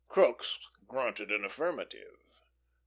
Crookes grunted an affirmative.